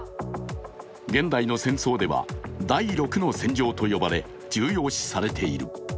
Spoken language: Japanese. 現代の戦争では第６の戦場と呼ばれ重要視されている。